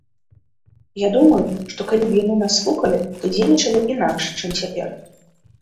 Я думаю, што калі б яны нас слухалі, то дзейнічалі б інакш, чым цяпер!